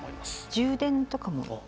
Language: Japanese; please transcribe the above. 充電とかも。